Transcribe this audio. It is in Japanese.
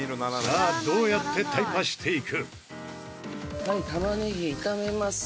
さあどうやってタイパしていく？